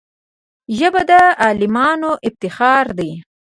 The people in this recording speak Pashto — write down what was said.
ژبه د عالمانو افتخار دی